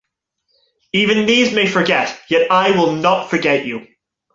Even these may forget, yet I will not forget you.